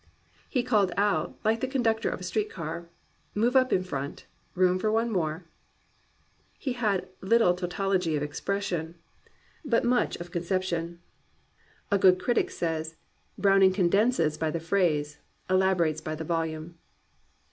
He called out, like the conductor of a street car, "Move up in front: room for one more !" He had little tautology of expression, but 264 GLORY OF THE IMPERFECT" much of conception. A good critic says "Brown ing condenses by the phrase, elaborates by the volume."